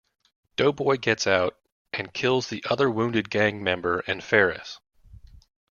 Doughboy gets out and kills the other wounded gang member and Ferris.